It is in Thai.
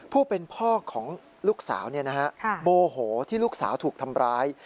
ผู้เป็นพ่อของลูกสาวโมโหที่ลูกสาวถูกทำร้าย